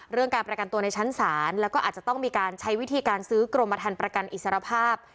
การประกันตัวในชั้นศาลแล้วก็อาจจะต้องมีการใช้วิธีการซื้อกรมฐานประกันอิสรภาพ